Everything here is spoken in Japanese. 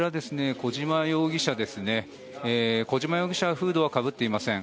小島容疑者はフードはかぶっていません。